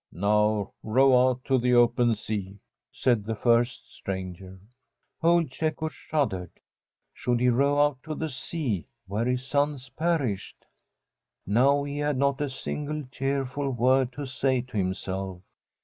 ' Now row out to the open sea/ said the first stranger. Old Cecco shuddered. Should he row out to the sea, where his sons perished? Now he had not a single cheerful word to say to himself.